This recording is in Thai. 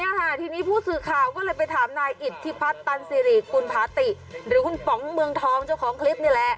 ค่ะทีนี้ผู้สื่อข่าวก็เลยไปถามนายอิทธิพัฒน์ตันสิริกุลภาติหรือคุณป๋องเมืองทองเจ้าของคลิปนี่แหละ